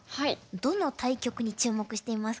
どの対局に注目していますか？